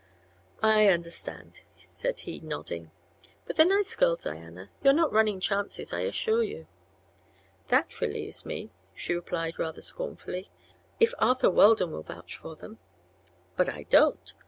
"I understand," said he, nodding. "But they're nice girls, Diana. You're not running chances, I assure you." "That relieves me," she replied rather scornfully. "If Arthur Weldon will vouch for them " "But I don't.